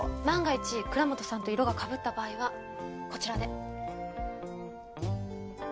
万が一蔵本さんと色が被った場合はこちらで。